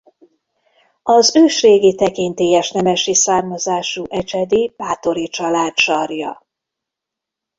Az ősrégi tekintélyes nemesi származású ecsedi Báthori-család sarja.